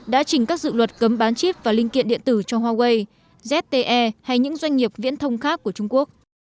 đã trình các dự luật cấm bán chip và linh kiện điện tử cho huawei zte hay những doanh nghiệp viễn thông khác của trung quốc